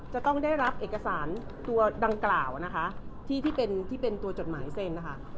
จะต้องได้รับเอกสารตัวดังกล่าวนะคะที่เป็นที่เป็นตัวจดหมายเซ็นนะคะ